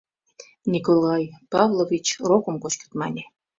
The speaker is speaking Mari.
Николай Павлович «Рокым кочкыт», мане.